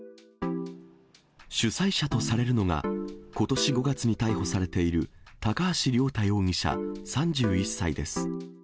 主催者とされるのが、ことし５月に逮捕されている高橋亮太容疑者３１歳です。